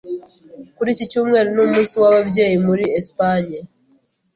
Kuri iki cyumweru ni umunsi w’ababyeyi muri Espagne.